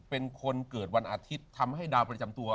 เป็นคนเกิดวันอาทิตย์ทำให้ดาวประจำตัว